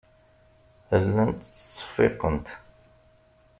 Llant ttseffiqent.